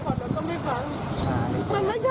เอาเอกสารให้เขาก่อนก็ไม่ฟัง